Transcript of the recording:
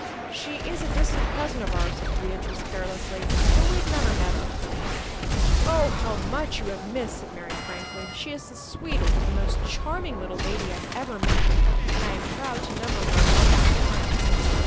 "She is a distant cousin of ours," said Beatrice carelessly, "but we've never met her." "Oh, how much you have missed!" said Mary frankly. "She is the sweetest and most charming little lady I have ever met, and I am proud to number her among my friends.